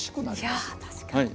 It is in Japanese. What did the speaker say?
いや確かに。